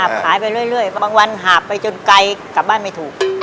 บางวันหาบไปจนไกลกลับบ้านไม่ถูก